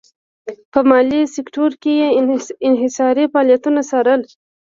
په مالي سکتور کې یې انحصاري فعالیتونه څارل.